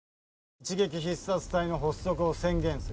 一撃必殺隊の発足を宣言する。